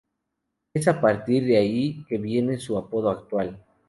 Es a partir de ahí que viene su apodo actual.